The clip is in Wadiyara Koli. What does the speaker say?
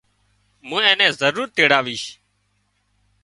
مُون اين نين ضرور تيڙاويش